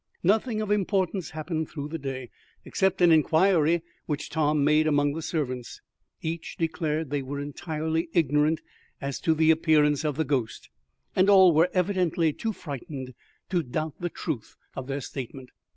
Nothing of importance happened through the day, except an inquiry which Tom made among the servants. Each declared that they were entirely ignorant as to the appearance of the ghost, and all were evidently too frightened to doubt the truth of their statement.